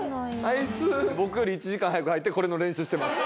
あいつ僕より１時間早く入ってこれの練習してます。